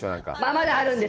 まだあるんです！